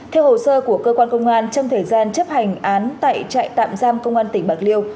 theo hồ sơ của cơ quan công an trong thời gian chấp hành án tại trại tạm giam công an tỉnh bạc liêu